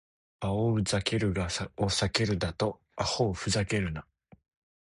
バオウ・ザケルガを避けるだと！アホウ・フザケルナ！